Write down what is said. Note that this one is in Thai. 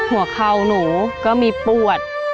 หัวเข่าหนูก็มีปวด